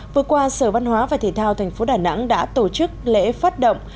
vừa qua sở văn hóa và thể thao tp đà nẵng đã tổ chức lễ phát động